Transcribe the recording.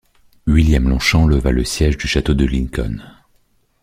William Longchamp leva le siège du château de Lincoln.